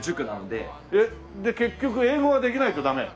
で結局英語はできないとダメ？